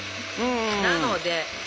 なので。